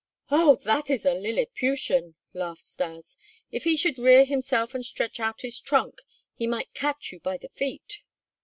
"Oh, that is a Lilliputian!" laughed Stas. "If he should rear himself and stretch out his trunk, he might catch you by the feet."